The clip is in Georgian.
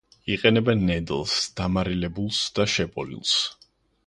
იყენებენ ნედლს, დამარილებულს და შებოლილს.